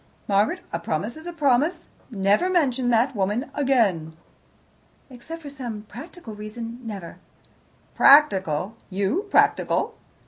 Margaret, a promise is a promise. Never mention that woman again." "Except for some practical reason never." "Practical! You practical!"